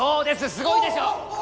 すごいでしょう？